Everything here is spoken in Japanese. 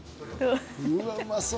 「うわっうまそう」